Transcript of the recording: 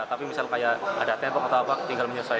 tapi misal kayak ada tempok atau apa tinggal menyusahkan